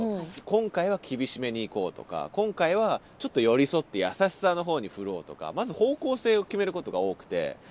今回は厳しめにいこうとか今回はちょっと寄り添って優しさの方に振ろうとかまず方向性を決めることが多くて。